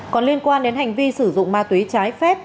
còn liên quan đến hành vi sử dụng ma túy trái phép